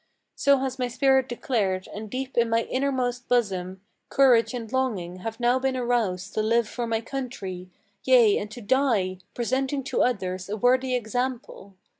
So has my spirit declared, and deep in my innermost bosom Courage and longing have now been aroused to live for my country, Yea, and to die, presenting to others a worthy example.